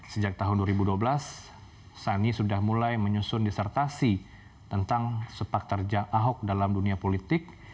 sejak tahun dua ribu dua belas sani sudah mulai menyusun disertasi tentang sepak terjang ahok dalam dunia politik